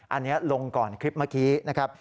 อันนี้ลงก่อนคลิปเมื่อกี้นะครับ